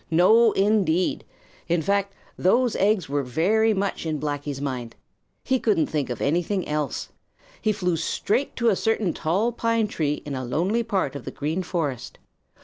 No, indeed! In fact, those eggs were very much in Blacky's mind. He couldn't think of anything else. He flew straight to a certain tall pine tree in a lonely part of the Green Forest.